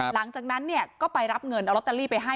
หลังจากนั้นก็ไปรับเงินเอาลอตเตอรี่ไปให้